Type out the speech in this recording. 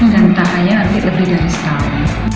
dan tahanya nanti lebih dari setahun